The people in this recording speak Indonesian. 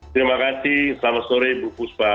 terima kasih selamat sore bu fuspa